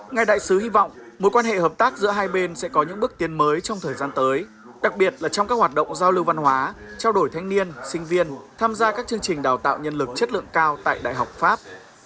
ngài đại sứ hy vọng mối quan hệ hợp tác giữa hai bên sẽ có những bước tiến mới trong thời gian tới đặc biệt là trong các hoạt động giao lưu văn hóa trao đổi thanh niên sinh viên tham gia các chương trình đào tạo nhân lực chất lượng cao tại đại học pháp